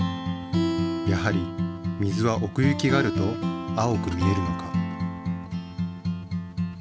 やはり水はおくゆきがあると青く見えるのか？